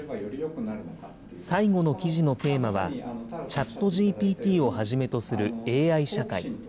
最後の記事のテーマは、チャットＧＰＴをはじめとするＡＩ社会。